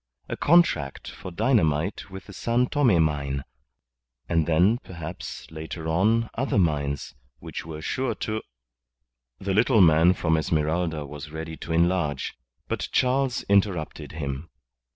A contract for dynamite with the San Tome mine, and then, perhaps, later on, other mines, which were sure to The little man from Esmeralda was ready to enlarge, but Charles interrupted him.